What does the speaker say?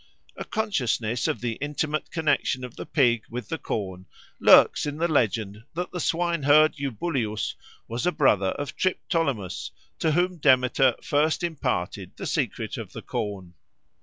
A consciousness of the intimate connexion of the pig with the corn lurks in the legend that the swineherd Eubuleus was a brother of Triptolemus, to whom Demeter first imparted the secret of the corn.